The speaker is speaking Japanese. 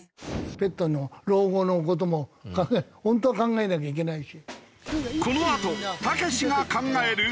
ペットの老後の事も本当は考えなきゃいけないし。